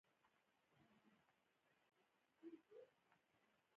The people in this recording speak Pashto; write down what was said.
هرم غذایی کې غله لاندې ده.